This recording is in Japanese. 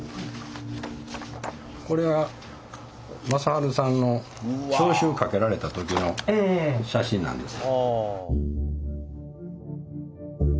これが正治さんの召集かけられた時の写真なんです。